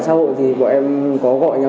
vài chương trình